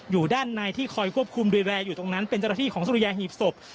อยู่ด้านในที่คอยควบคุมดูแลอยู่ตรงนั้นเป็นเจ้าหน้าที่ของสุริยาหีบศพ